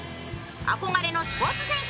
憧れのスポーツ選手